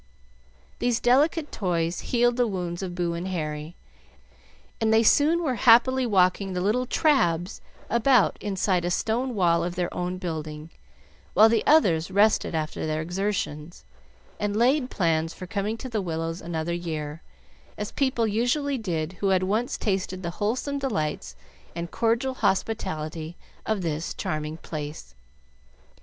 These delicate toys healed the wounds of Boo and Harry, and they were soon happily walking the little "trabs" about inside a stone wall of their own building, while the others rested after their exertions, and laid plans for coming to the Willows another year, as people usually did who had once tasted the wholesome delights and cordial hospitality of this charming place.